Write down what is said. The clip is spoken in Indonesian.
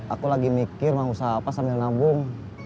aku lagi mikir mau usaha apa sambil nabung